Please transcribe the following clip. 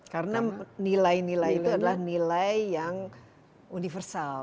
karena nilai nilai itu adalah nilai yang universal